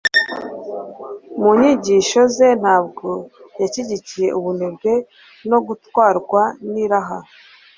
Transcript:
mu nyigisho ze ntabwo yashyigikiye ubunebwe no gutwarwa n'iraha